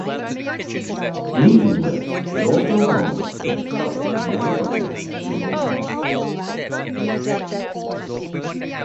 Leavenworth is also home to the historic Mary Rogers Kimball House.